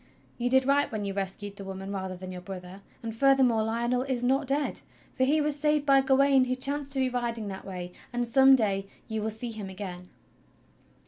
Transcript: You did right when you rescued the woman rather than your brother, and furthermore Lionel is not dead, for he was saved by Gawain who chanced to be riding that way; and some day you will see him again."